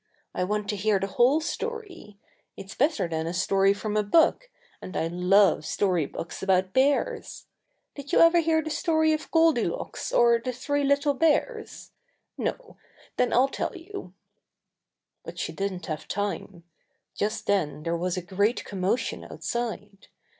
I want to hear the whole story. It's better than a story from a book, and I love story books about bears. Did you ever hear the story of Goldy Locks or the Three Little Bears? No. Then I'll tell you." But she didn't have time. Just then there was a great commotion outside.